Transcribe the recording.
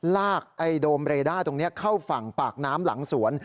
ลากไอ้โดมเรด้าตรงนี้เข้าฝั่งปากน้ำหลังสวน